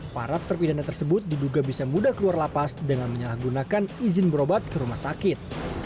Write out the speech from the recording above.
para terpidana tersebut diduga bisa mudah keluar lapas dengan menyalahgunakan izin berobat ke rumah sakit